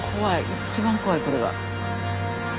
一番怖いこれが。